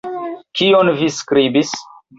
Kion vi skribis?